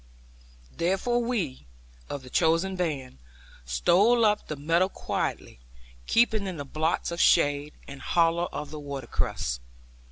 Therefore we, of the chosen band, stole up the meadow quietly, keeping in the blots of shade, and hollow of the watercourse.